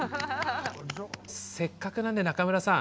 せっかくなんで中村さん